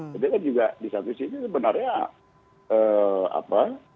tapi kan juga di satu sisi sebenarnya apa